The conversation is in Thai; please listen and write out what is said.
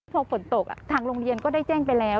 พอฝนตกทางโรงเรียนก็ได้แจ้งไปแล้ว